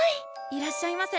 いらっしゃいませ。